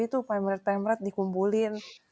itu pemerintah yang merat dikumpulin